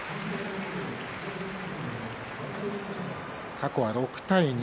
過去は、６対２。